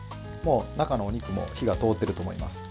中のお肉ももう火が通っていると思います。